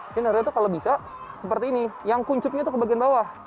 ini naruh itu kalau bisa seperti ini yang kuncupnya itu ke bagian bawah